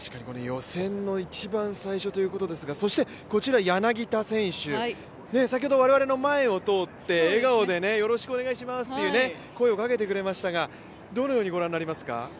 予選の一番最初ということですがそしてこちら、柳田選手、先ほど我々の前を通って、笑顔でよろしくお願いしますという声をかけてくれましたが、どのようにご覧になりますか。